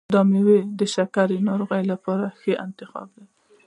دا میوه د شکرې ناروغانو لپاره ښه انتخاب دی.